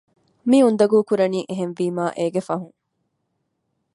މި އުނދަގޫކުރަނީ އެހެންވީމާ އޭގެ ފަހުން